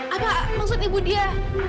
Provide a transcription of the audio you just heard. apa maksud ibu dia